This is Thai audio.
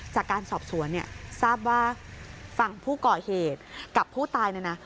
จากการสอบสวนเนี่ยทราบว่าฝั่งผู้ก่อเหตุกับผู้ตายเนี่ยนะ